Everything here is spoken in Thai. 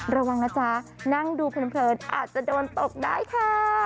ระวังนะจ๊ะนั่งดูเพลินอาจจะโดนตกได้ค่ะ